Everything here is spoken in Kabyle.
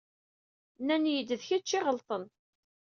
Nnan-iyi-d d kečč i iɣelṭen.